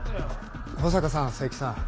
保坂さん佐伯さん